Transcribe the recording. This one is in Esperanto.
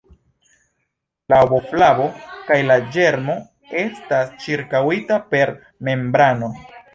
La ovoflavo kaj la ĝermo estas ĉirkaŭita per membrano.